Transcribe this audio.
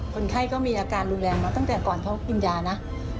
คนไข้ก็มีอาการรุนแรงมาตั้งแต่ก่อนเขากินยานะ